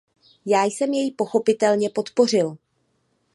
Já jsem jej pochopitelně podpořil.